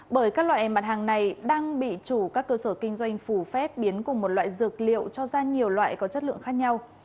bởi các loại mặt hàng này đang bị chủ các cơ sở kinh doanh phủ phép biến cùng một loại dược liệu cho ra nhiều loại có chất lượng khác nhau